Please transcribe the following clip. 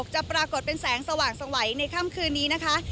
จะปรากฏเป็นแสงสว่างสวัยในค่ำคืนนี้นะคะ